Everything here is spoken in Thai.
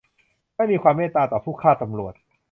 ไม่มีความเมตตาต่อผู้ฆ่าตำรวจ !